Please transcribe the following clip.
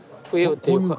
そうそう。